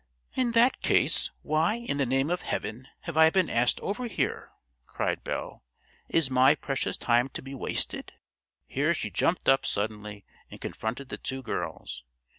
"In that case, why, in the name of Heaven, have I been asked over here?" cried Belle. "Is my precious time to be wasted?" Here she jumped up suddenly and confronted the two girls.